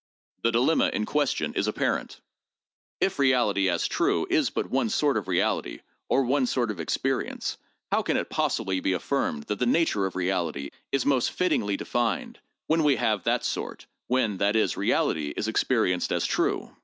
The dilemma in question is apparent. If reality as true is but one sort of reality or one sort of experience, how can it possibly be affirmed that the nature of reality is most fittingly defined, when we have that sort, when, that is, reality is experienced as true?